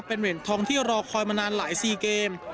เป็นเหรียญทองที่รอคอยมานานหลาย๔เกม